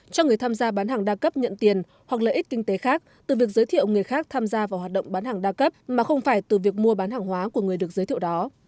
cho người tham gia bán hàng đa cấp nhận tiền hoặc lợi ích kinh tế khác từ việc giới thiệu người khác tham gia vào hoạt động bán hàng đa cấp mà không phải từ việc mua bán hàng hóa của người được giới thiệu đó